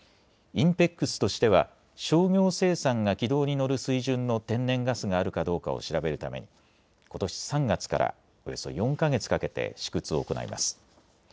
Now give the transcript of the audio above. ＩＮＰＥＸとしては商業生産が軌道に乗る水準の天然ガスがあるかどうかを調べるためにことし３月からおよそ４か月かけて試掘を行います。